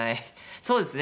そうですね。